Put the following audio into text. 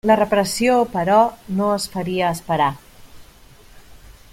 La repressió, però, no es faria esperar.